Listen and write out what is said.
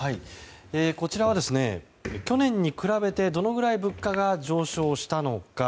こちらは去年に比べてどのくらい物価が上昇したのか。